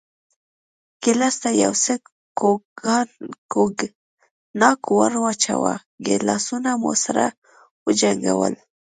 ګیلاس ته یو څه کوګناک ور واچوه، ګیلاسونه مو سره وجنګول.